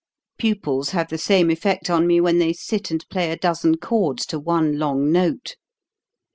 Pupils have the same effect on me when they sit and play a dozen chords to one long note.